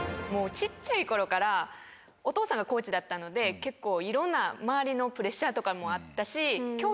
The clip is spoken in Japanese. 小っちゃい頃からお父さんがコーチだったので結構いろんな周りのプレッシャーとかもあったし。